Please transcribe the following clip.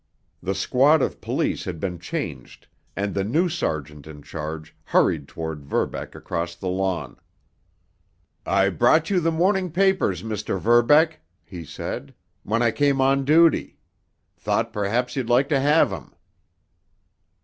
The squad of police had been changed, and the new sergeant in charge hurried toward Verbeck across the lawn. "I brought you the morning papers, Mr. Verbeck," he said, "when I came on duty. Thought perhaps you'd like to have 'em."